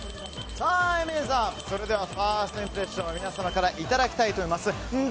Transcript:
それではファーストインプレッション皆様からいただきたいと思います。